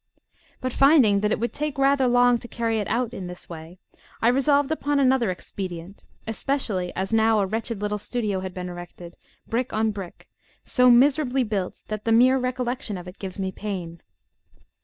But finding that it would take rather long to carry it out in this way, I resolved upon another expedient, especially as now a wretched little studio had been erected, brick on brick, so miserably built that the mere recollection of it gives me pain.